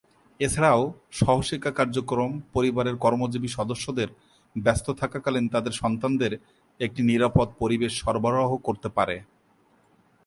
এছাড়াও, সহশিক্ষা কার্যক্রম পরিবারের কর্মজীবী সদস্যদের ব্যস্ত থাকাকালীন তাদের সন্তানদের একটি নিরাপদ পরিবেশ সরবরাহ করতে পারে।